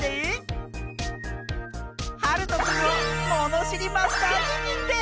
はるとくんをものしりマスターににんてい！